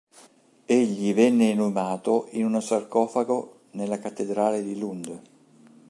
Egli venne inumato in un sarcofago nella Cattedrale di Lund.